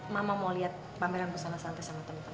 mama mau liat pameran pusana santai sama temen temen